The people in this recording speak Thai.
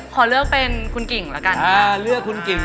ขอเลือกเป็นคุณกิ่งหลังกันค่ะ